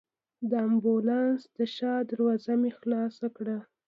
د امبولانس د شا دروازه مې خلاصه کړل.